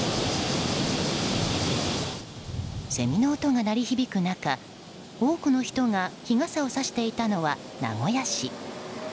セミの音が鳴り響く中多くの人が日傘をさしていたのは名古屋市。